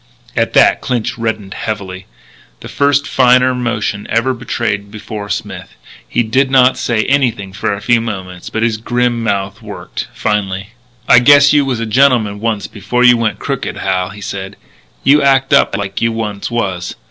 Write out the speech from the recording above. At that Clinch reddened heavily the first finer emotion ever betrayed before Smith. He did not say anything for a few moments, but his grim mouth worked. Finally: "I guess you was a gentleman once before you went crooked, Hal," he said. "You act up like you once was....